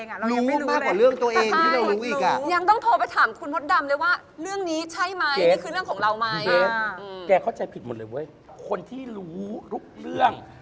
มดดำรู้โลกรู้